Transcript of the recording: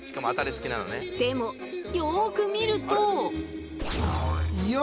でもよく見ると。